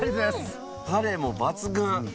タレも抜群！